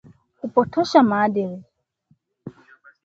kupotosha maadili